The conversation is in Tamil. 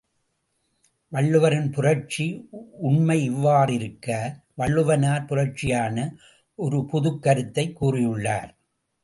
வள்ளுவரின் புரட்சி உண்மை யிவ்வாறிருக்க, வள்ளுவனார் புராட்சியான ஒரு புதுக்கருத்தைக் கூறியுள்ளார்.